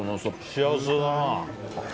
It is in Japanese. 幸せだなぁ。